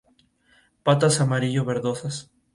Patas amarillo verdosas.